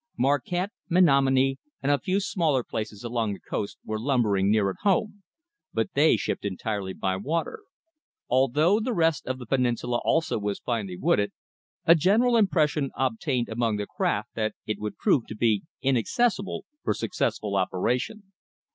Marquette, Menominee, and a few smaller places along the coast were lumbering near at home; but they shipped entirely by water. Although the rest of the peninsula also was finely wooded, a general impression obtained among the craft that it would prove too inaccessible for successful operation.